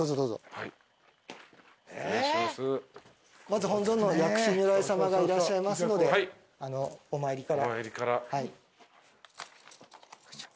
まず本尊の薬師如来さまがいらっしゃいますのでお参りから。